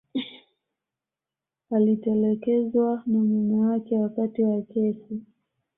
alitelekezwa na mume wake wakati wa kesi